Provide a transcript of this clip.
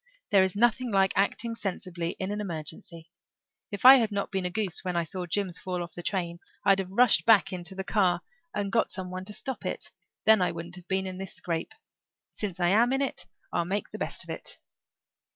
There is nothing like acting sensibly in an emergency. If I had not been a goose when I saw Jims fall off the train I'd have rushed back into the car and got some one to stop it. Then I wouldn't have been in this scrape. Since I am in it I'll make the best of it.